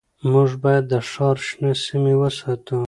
موږ باید د ښار شنه سیمې وساتو